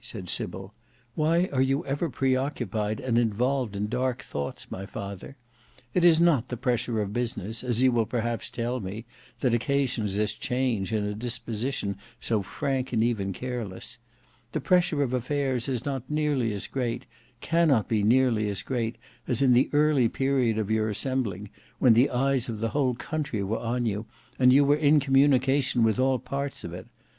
said Sybil. "Why are you ever pre occupied and involved in dark thoughts, my father? It is not the pressure of business, as you will perhaps tell me, that occasions this change in a disposition so frank and even careless. The pressure of affairs is not nearly as great, cannot he nearly as great, as in the early period of your assembling, when the eyes of the whole country were on you, and you were in communication with all parts of it.